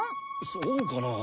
そうかな？